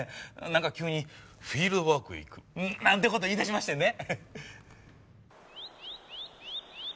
なんか急にフィールドワークへ行くなんて事言い出しましてね。